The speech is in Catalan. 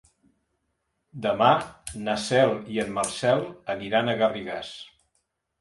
Demà na Cel i en Marcel aniran a Garrigàs.